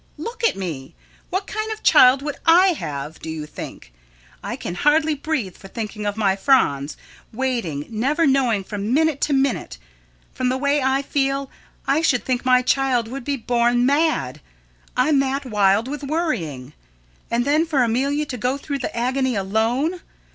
Look at me. What kind of child would I have, do you think? I can hardly breathe for thinking of my Franz, waiting, never knowing from minute to minute. From the way I feel, I should think my child would be born mad, I'm that wild with worrying. And then for Amelia to go through the agony alone!